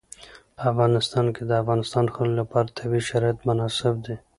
په افغانستان کې د د افغانستان خلکو لپاره طبیعي شرایط مناسب دي.